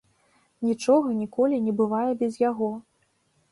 Нічога ніколі не бывае без яго!